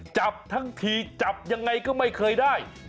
จับทั้งทีจับยังไงก็ไม่เคยได้